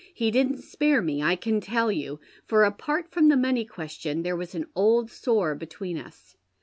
He didn't spare me, I can tell you, for, apart from the money question, there was an old sore between us.